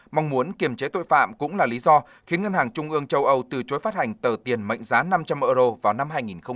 mong muốn kiềm chế tội phạm cũng là lý do khiến ngân hàng trung ương châu âu từ chối phát hành tờ tiền mệnh giá năm trăm linh euro vào năm hai nghìn hai mươi